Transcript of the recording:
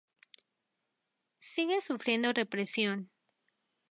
Sigue sufriendo represión.